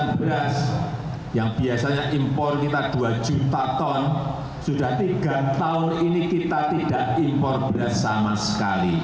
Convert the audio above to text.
beras yang biasanya impor kita dua juta ton sudah tiga tahun ini kita tidak impor beras sama sekali